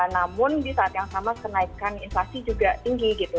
namun di saat yang sama kenaikan inflasi juga tinggi gitu